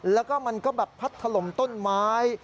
แล้วก็มันก็แบบพัดถล่มต้นไม้